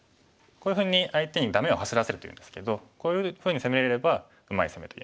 こういうふうに相手にダメを走らせるというんですけどこういうふうに攻めれればうまい攻めと言えます。